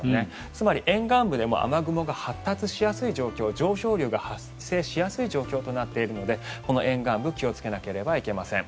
つまり沿岸部でも雨雲が発達しやすい状況上昇流が発生しやすい状況となっているので沿岸部気をつけなければいけません。